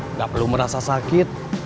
enggak perlu merasa sakit